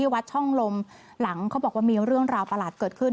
ที่วัชน์ช่องลมหลังเขาบอกว่ามีหาระปลาลาศเกิดขึ้น